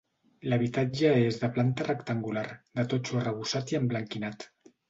L'habitatge és de planta rectangular, de totxo arrebossat i emblanquinat.